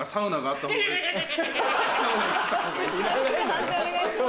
判定お願いします。